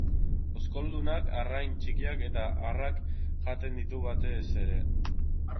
Oskoldunak, arrain txikiak eta harrak jaten ditu batez ere.